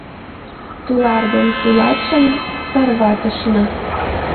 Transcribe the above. Тулар ден тулачым тарватышна.